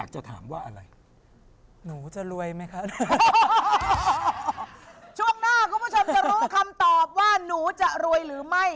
จะรวยหรือไม่